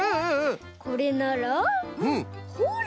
これならほら！